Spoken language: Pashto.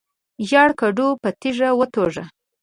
ژیړ کډو په تیږي وتوږه.